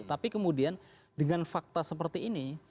tapi kemudian dengan fakta seperti ini